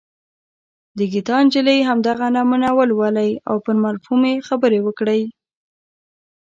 د ګیتا نجلي همدغه نمونه ولولئ او پر مفهوم یې خبرې وکړئ.